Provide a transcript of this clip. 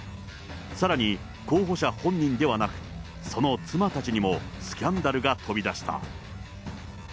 さらに、候補者本人ではなく、その妻たちにもスキャンダルが飛び出した。